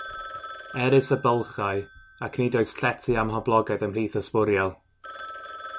Erys y bylchau, ac nid oes llety amhoblogaidd ymhlith y sbwriel.